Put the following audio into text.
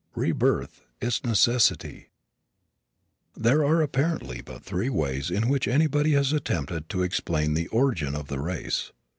REBIRTH: ITS NECESSITY There are apparently but three ways in which anybody has attempted to explain the origin of the race.